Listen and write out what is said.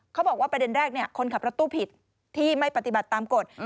เขาบอกว่าประเด็นแรกคนขับรถตู้ผิดที่ไม่ปฏิบัติตามกฎ